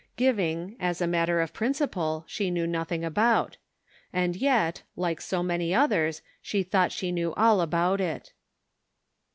Giving, as a matter of principle, she knew nothing about; and yet, like so many others, she thought she knew all about it.